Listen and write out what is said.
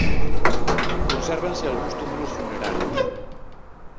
Consérvanse algúns túmulos funerarios.